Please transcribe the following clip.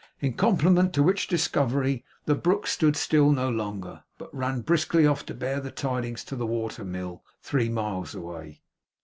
In compliment to which discovery, the brook stood still no longer, but ran briskly off to bear the tidings to the water mill, three miles away.